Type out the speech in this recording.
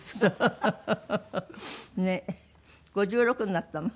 ５６になったの？